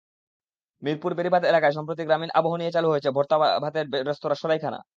মিরপুর বেড়িবাঁধ এলাকায় সম্প্রতি গ্রামীণ আবহ নিয়ে চালু হয়েছে ভর্তা-ভাতের রেস্তোরাঁ—সরাইখানা।